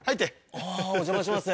あお邪魔します。